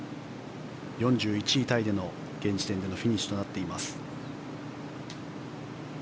４１位タイでの現時点でのフィニッシュとなっています。